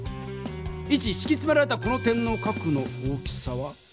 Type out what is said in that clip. イチしきつめられたこの点の角の大きさは？